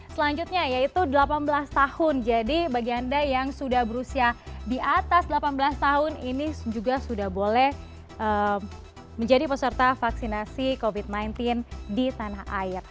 selanjutnya yaitu delapan belas tahun jadi bagi anda yang sudah berusia di atas delapan belas tahun ini juga sudah boleh menjadi peserta vaksinasi covid sembilan belas di tanah air